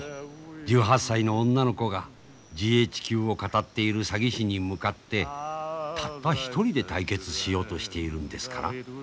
１８歳の女の子がＧＨＱをかたっている詐欺師に向かってたった一人で対決しようとしているんですから。